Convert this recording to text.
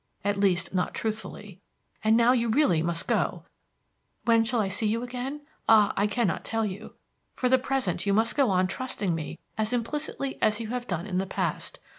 At least, not truthfully. And now you really must go. When shall I see you again? Ah, I cannot tell you. For the present you must go on trusting me as implicitly as you have done in the past.